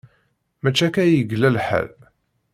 Mačči akka i yella lḥal.